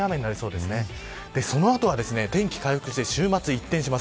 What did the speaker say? その後、天気は回復して週末は一転します。